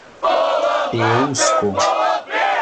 eŭsko